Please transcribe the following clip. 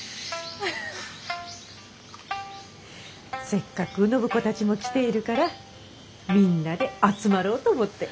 せっかく暢子たちも来ているからみんなで集まろうと思って。